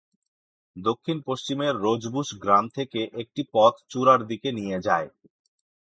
দক্ষিণ-পশ্চিমের Rosebush গ্রাম থেকে একটি পথ চূড়ার দিকে নিয়ে যায়।